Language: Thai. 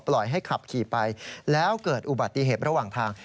ให้ขับขี่ไปแล้วเกิดอุบัติเหตุระหว่างทาง